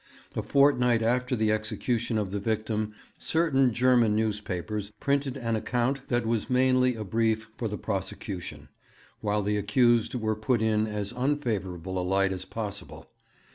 A fortnight after the execution of the victim certain German newspapers printed an account that was mainly a brief for the prosecution, while the accused were put in as unfavourable a light as possible.